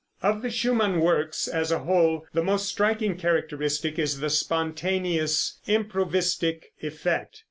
Of the Schumann works as a whole the most striking characteristic is the spontaneous, improvistic effect.